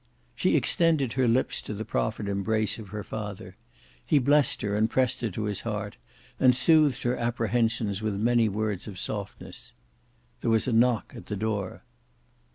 She extended her lips to the proffered embrace of her father. He blessed her and pressed her to his heart, and soothed her apprehensions with many words of softness. There was a knock at the door.